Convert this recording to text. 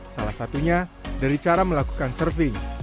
salah satunya dari cara melakukan surfing